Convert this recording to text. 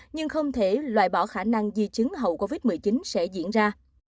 nhưng không thể loại bỏ khả năng di chứng hậu covid một mươi chín sẽ diễn ra